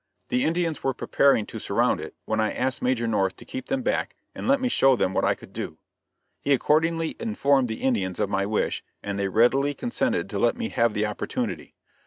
The Indians were preparing to surround it, when I asked Major North to keep them back and let me show them what I could do. He accordingly informed the Indians of my wish and they readily consented to let me have the opportunity.